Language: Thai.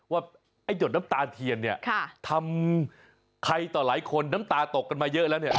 ว่าไอ้หดน้ำตาเทียนเนี่ยทำใครต่อหลายคนน้ำตาตกกันมาเยอะแล้วเนี่ย